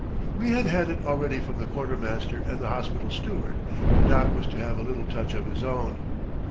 We had had it already from the quartermaster and the hospital steward, but Doc was to have a little touch of his own.